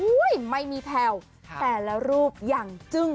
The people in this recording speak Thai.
อุ้ยไม่มีแผ่ว๘รูปอย่างจึ่ง